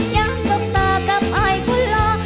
ย้ำส้มตากับไอคุณล่ะ